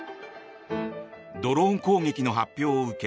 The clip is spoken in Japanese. ドローン攻撃の発表を受け